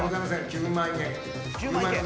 ９万円。